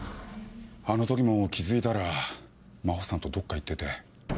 あの時も気付いたら真帆さんとどっか行ってて。